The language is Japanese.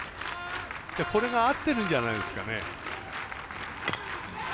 これが合ってるんじゃないですかね。